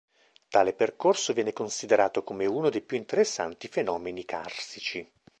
Tale percorso viene considerato come uno dei più interessanti fenomeni carsici.